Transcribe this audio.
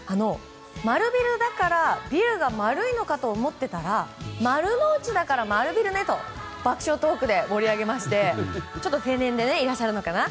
丸ビルだからビルが丸いのかと思っていたら丸の内だから丸ビルねと爆笑トークで盛り上げまして、ちょっと天然でいらっしゃるのかな。